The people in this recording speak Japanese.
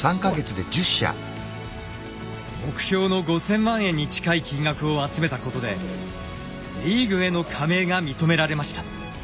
すごい。目標の５，０００万円に近い金額を集めたことでリーグへの加盟が認められました。